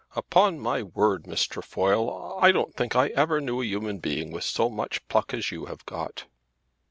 "Upon my word, Miss Trefoil, I don't think I ever knew a human being with so much pluck as you have got."